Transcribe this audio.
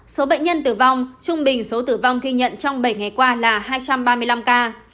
số bệnh nhân tử vong trung bình số tử vong ghi nhận trong bảy ngày qua là hai trăm ba mươi năm ca